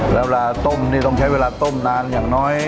แล้วเวลาต้มนี่ต้องใช้เวลาต้มนานอย่างน้อย